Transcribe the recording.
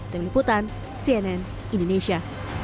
demi putan cnn indonesia